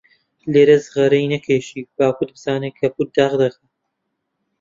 لێرە جغارەی نەکێشی، باوکت بزانێ کەپووت داغ دەکا.